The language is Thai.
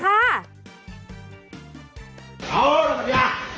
เขารับบัญญา